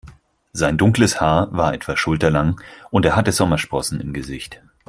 Sein dunkles Haar war etwa schulterlang und er hatte Sommersprossen im Gesicht.